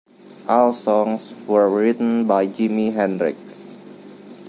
All songs were written by Jimi Hendrix.